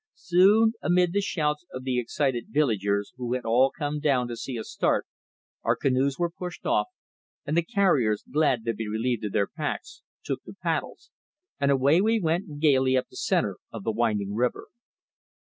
Soon, amid the shouts of the excited villagers who had all come down to see us start, our canoes were pushed off, and the carriers, glad to be relieved of their packs, took the paddles, and away we went gaily up the centre of the winding river.